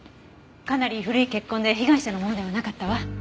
かなり古い血痕で被害者のものではなかったわ。